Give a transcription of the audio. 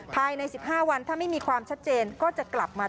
ภายใน๑๕วันถ้าไม่มีความชัดเจนก็จะกลับมา